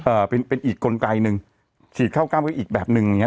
เอ่อเป็นเป็นอีกกลไกหนึ่งฉีดเข้ากล้ามไว้อีกแบบหนึ่งอย่างเง